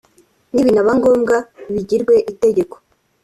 nibinaba ngombwa bigirwe itegeko